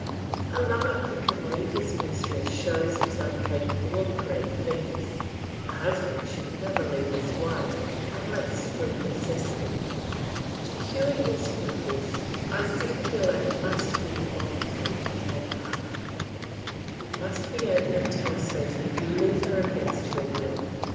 A lover who can leave his mistress shows himself capable of great things; a husband should never leave his wife unless through necessity. To cure your scruples, I see the delay must be involuntary on your part; you must be able to tell Sophy you leave her against your will.